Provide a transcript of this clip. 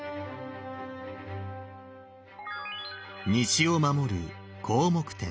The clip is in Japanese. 西を守る広目天。